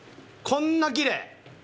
こんなきれい！